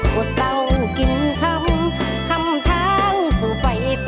ก็เศร้ากินคำคำทั้งสุภัยต่อ